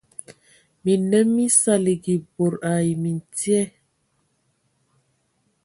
Minnǝm mí saligi bod ai mintye,